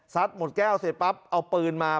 หมดแก้วเสร็จปั๊บเอาปืนมา